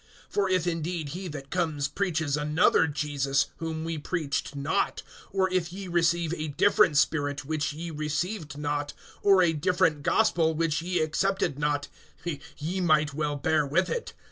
(4)For if indeed he that comes preaches another Jesus, whom we preached not, or if ye receive a different spirit, which ye received not, or a different gospel, which ye accepted not, ye might well bear with it.